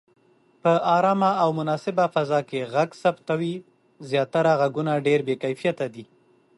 په آرامه او مناسبه فضا کې غږ ثبتوئ. زياتره غږونه ډېر بې کیفیته دي.